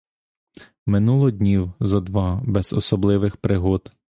Минуло днів зо два без особливих пригод.